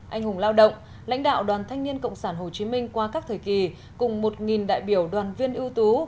anh hùng lao động lãnh đạo đoàn thanh niên cộng sản hồ chí minh qua các thời kỳ cùng một đại biểu đoàn viên ưu tú